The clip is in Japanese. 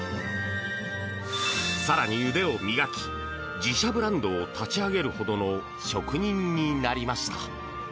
更に腕を磨き自社ブランドを立ち上げるほどの職人になりました。